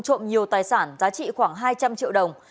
trộm nhiều tài sản giá trị khoảng hai trăm linh triệu đồng